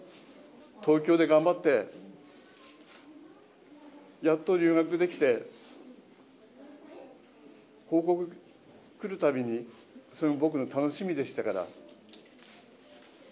東京で頑張って、やっと留学できて、報告来るたびにそれが僕の楽しみでしたから。